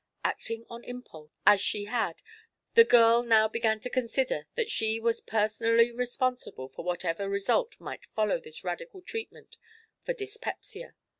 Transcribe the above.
Acting on impulse, as she had, the girl now began to consider that she was personally responsible for whatever result might follow this radical treatment for dyspepsia.